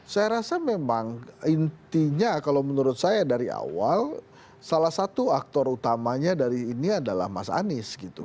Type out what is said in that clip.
saya rasa memang intinya kalau menurut saya dari awal salah satu aktor utamanya dari ini adalah mas anies gitu